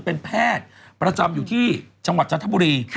เป็นแพทย์ประจำอยู่ที่จันทบุรี